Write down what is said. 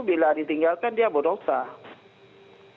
bila ditinggalkan dia berosah